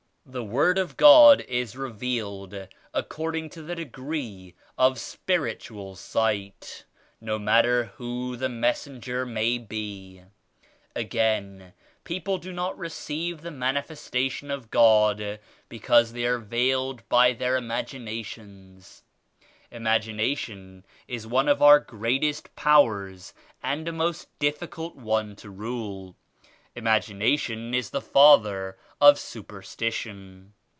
The Word of God is revealed according to the degree of Spiritual Sight, no matter who the messenger may be. Again, people do not receive the Manifestation of God because they are veiled by their imagina tions. Imagination is one of our greatest powers and a most difficult one to rule. Imagination is the father of superstition.